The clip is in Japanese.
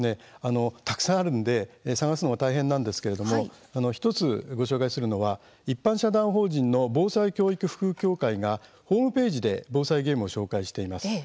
たくさんあるので探すのが大変なんですけれども１つ、ご紹介するのは一般社団法人の防災教育普及協会がホームページで防災ゲームを紹介しています。